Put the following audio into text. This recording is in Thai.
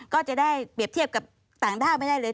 ก็จะได้เปรียบเทียบกับต่างด้าวไม่ได้เลย